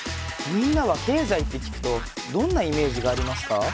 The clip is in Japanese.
みんなは経済って聞くとどんなイメージがありますか？